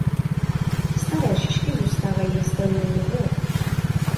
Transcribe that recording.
Staré šišky zůstávají na stromě mnoho let.